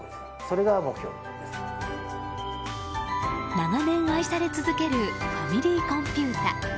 長年愛され続けるファミリーコンピュータ。